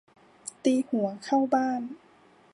ตีหัวเข้าบ้าน